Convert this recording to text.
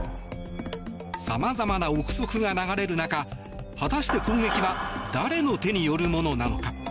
さまざまな憶測が流れる中果たして攻撃は誰の手によるものなのか。